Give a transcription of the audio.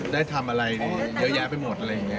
ได้ทำอะไรเยอะแยะไปหมดอะไรอย่างนี้